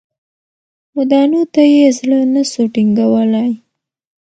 خو دانو ته یې زړه نه سو ټینګولای